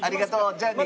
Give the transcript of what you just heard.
じゃあね。